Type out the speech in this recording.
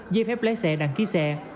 dây phép lấy xe đăng ký xe